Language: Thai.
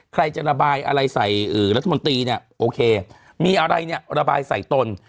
ใครจะระบายอะไรใส่รัฐมนตรีเนี่ยโอเคมีอะไรเนี่ยระบายใส่ตน